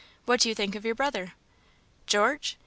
What do you think of your brother?" "George?